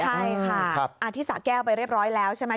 ใช่ค่ะที่สะแก้วไปเรียบร้อยแล้วใช่ไหม